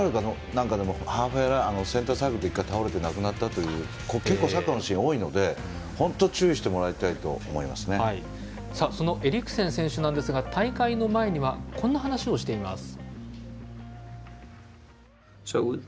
なんかでもセンターサークルで１回、倒れて亡くなったっていうのがあって結構、サッカーでは多いので本当、注意してもらいたいとそのエリクセン選手ですが大会の前にはこんな話をしています。